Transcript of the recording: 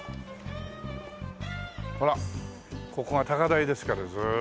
ほらここが高台ですからずっと。